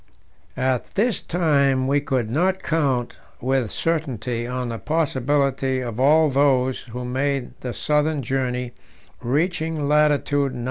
At this time we could not count with certainty on the possibility of all those who made the southern journey reaching latitude 90°.